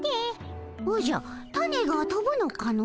おじゃタネがとぶのかの。